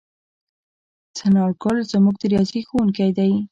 څنارګل زموږ د ریاضي ښؤونکی دی.